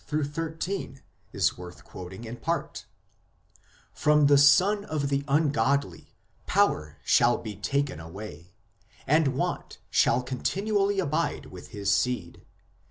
6 13 is worth quoting in part :" From the son of the ungodly power shall be taken away, and want shall continually abide with his seed.